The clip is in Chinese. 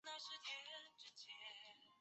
百慕达三角。